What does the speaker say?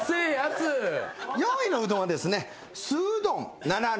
４位のうどんはですね。